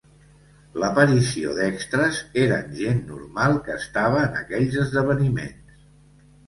L'aparició d'extres eren gent normal que estava en aquells esdeveniments.